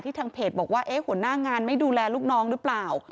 ทางเพจบอกว่าหัวหน้างานไม่ดูแลลูกน้องหรือเปล่า